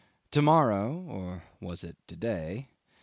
To morrow or was it to day?